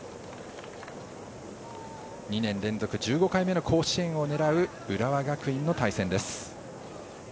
２年連続１５回目の甲子園を狙う浦和学院の対戦です。